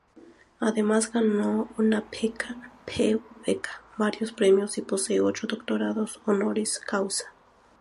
Además, ganó una Pew Beca, varios Premios y posee ocho doctorados honoris causa.